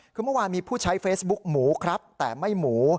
คือเมื่อวานมีผู้ใช้เฟซบุ๊กหมูครับแต่ไม่หมู